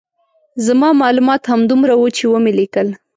زما معلومات همدومره وو چې ومې لیکل.